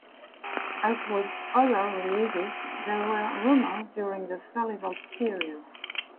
As with other releases, there were rumors during the "Salival" period.